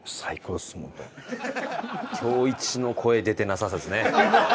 今日イチの声出てなさですね。